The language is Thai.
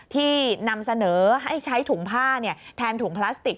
ที่นำเสนอให้ใช้ถุงผ้าแทนถุงพลาสติก